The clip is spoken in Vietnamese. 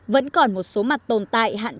vẫn còn một số mặt tồn tại hạn chế